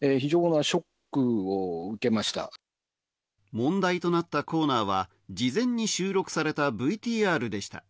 問題となったコーナーは事前に収録されたＶＴＲでした。